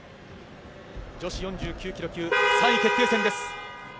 女子４９ｋｇ級３位決定戦です。